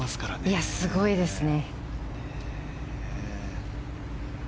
いや、すごいですね。